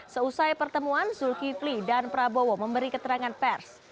seusai pertemuan zulkifli dan prabowo memberi keterangan pers